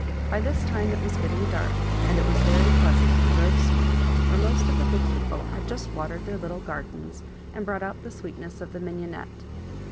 By this time it was getting dark, and it was very pleasant in Grove Street, where most of the good people had just watered their little gardens, and brought out the sweetness of the mignonette.